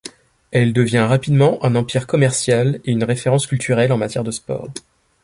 Elle devient rapidement un empire commercial et une référence culturelle en matière de sport.